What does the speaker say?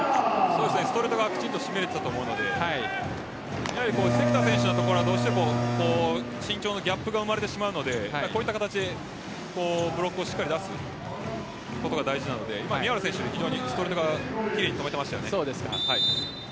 ストレートはきちんと締めれていたと思うので関田選手の所は身長のギャップが生まれてしまうのでこういった形でブロックをしっかり出すことが大事なので宮浦選手、ストレート側奇麗に止めていましたよね。